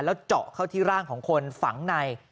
แล้วเจาะเข้าที่ร่างของคนฝังใน